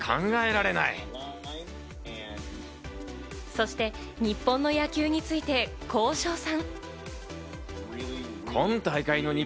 そして日本の野球について、こう称賛。